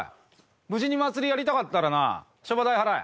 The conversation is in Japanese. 無事に祭りやりたかったらなショバ代払え。